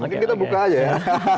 mungkin kita buka aja ya